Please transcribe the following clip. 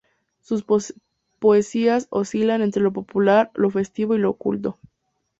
Sus poesías oscilan entre lo popular, lo festivo y lo culto.